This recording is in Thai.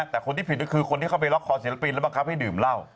แต่คนที่ผิดก็คือคนที่เข้าไปล็อกคอศิลปินแล้วบังคับให้ดื่มเหล้า